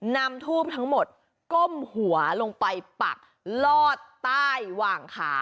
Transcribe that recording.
นำทูบทั้งหมดก้มหัวลงไปปักลอดใต้หว่างขา